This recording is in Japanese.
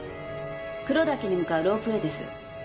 黒岳に向かうロープウエーです。